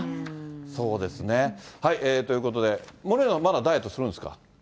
そうですね。ということで、森永さん、まだダイエットするんですか？